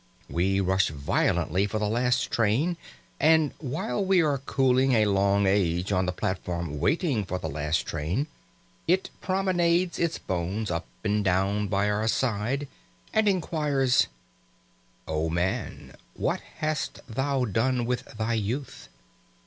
We rush violently for the last train, and while we are cooling a long age on the platform waiting for the last train, it promenades its bones up and down by our side and inquires: "O man, what hast thou done with thy youth?